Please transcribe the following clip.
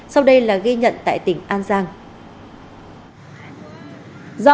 sau đây là ghi nhận tại tỉnh an giang